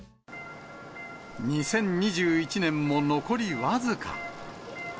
２０２１年も残り僅か。